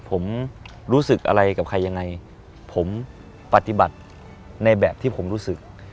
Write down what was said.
ผมรู้สึกอะไรกับใครยังไงผมปฏิบัติในแบบที่ผมรู้สึก